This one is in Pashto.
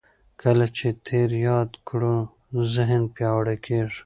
کله چې تېر یاد کړو ذهن پیاوړی کېږي.